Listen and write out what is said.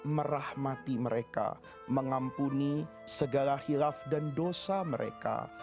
merahmati mereka mengampuni segala hilaf dan dosa mereka